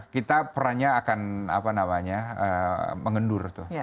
kita perannya akan apa namanya mengendur tuh